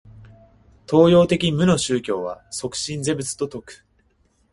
東洋的無の宗教は即心是仏と説く。